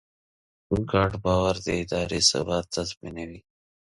ګډ باور د ادارې ثبات تضمینوي.